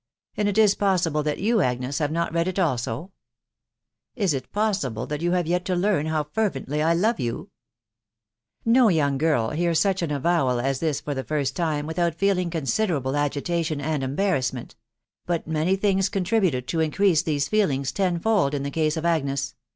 ... And is it possible that youj Agnes, have not read it also ?.... Is it possible that you have yet to learn how fervently I love you ?" No young girl hears such an. «vowb\ a&ii&% lot tab fa«v< THE WIDOW BARNABY 267* f without feeling eonsideraiUe agitation and embarrassment ; but many things contributed to increase these feelings tenfold in the case of Agnes